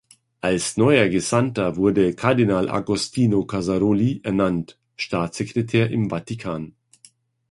Als neuer Gesandter wurde Kardinal Agostino Casaroli ernannt, Staatssekretär im Vatikan.